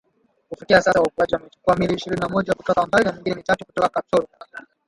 Kufikia sasa waokoaji wamechukua miili ishirini na moja kutoka Mbale na mingine mitatu kutoka Kapchorwa.